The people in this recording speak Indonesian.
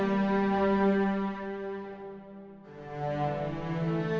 semua tak pergi